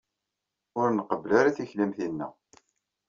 Ur nqebbel ara tikli am tinna.